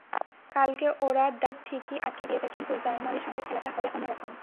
কালকে ওরা ডাচদের ঠিকই আটকে দিয়েছে, কিন্তু জার্মানির সঙ্গে খেলাটা হবে অন্যরকম।